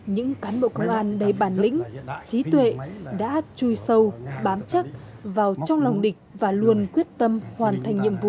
những cán bộ công an đầy bản lĩnh trí tuệ đã chui sâu bám chắc vào trong lòng địch và luôn quyết định